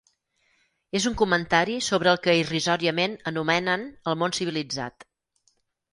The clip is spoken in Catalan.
És un comentari sobre el que irrisòriament anomenen el món civilitzat.